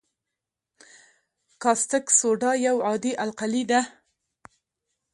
کاستک سوډا یو عادي القلي ده.